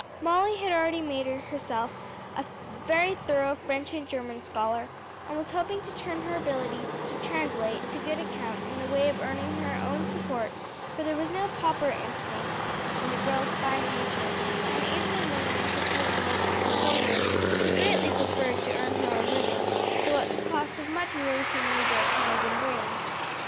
Molly had already made herself a very thorough French and German scholar, and was hoping to turn her ability to translate to good account in the way of earning her own support; for there was no pauper instinct in the girl's noble nature, and able and willing as her cousin was to support her, she greatly preferred to earn her own living, though at the cost of much wearisome labor of hand and brain.